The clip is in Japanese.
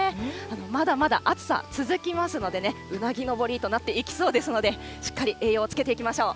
まだまだ暑さ、続きますのでね、うなぎ登りとなっていきそうですので、しっかり栄養をつけていきましょう。